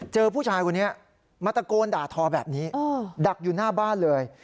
เจอผู้ชายคนนี้มาตะโกนด่าทอแบบนี้ดักอยู่หน้าบ้านเลย